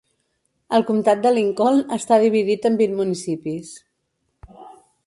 El comptat de Lincoln està dividit en vint municipis.